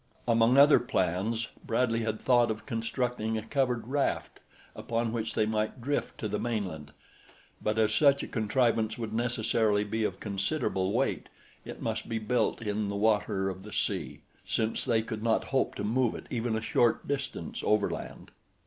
Among other plans Bradley had thought of constructing a covered raft upon which they might drift to the mainland; but as such a contrivance would necessarily be of considerable weight, it must be built in the water of the sea, since they could not hope to move it even a short distance overland.